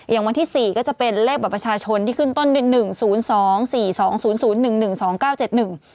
อย่างวันที่๔ก็จะเป็นเลขบัตรประชาชนที่ขึ้นต้นเป็น๑๐๒๔๒๐๐๑๑๒๙๗๑